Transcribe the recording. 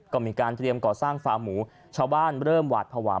ก็มีการเตรียมก่อสร้างฟาร์หมูชาวบ้านเริ่มหวาดภาวะ